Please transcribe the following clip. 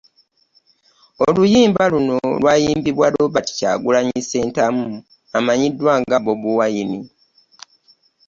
Oluyimba luno lwayimbibwa Robert Kyagulanyi Ssentamu amanyiddwa nga Bobi Wine